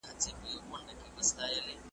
او د جنازې د مراسمو تر خلاصېدو